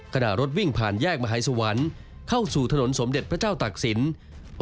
ขณะรถวิ่งผ่านแยกมหายสวรรค์เข้าสู่ถนนสมเด็จพระเจ้าตักศิลป์